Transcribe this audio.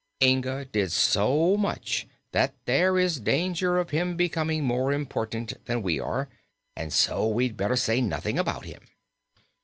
Inga did so much that there is danger of his becoming more important than we are, and so we'd best say nothing about him."